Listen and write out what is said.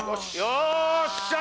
よっしゃ！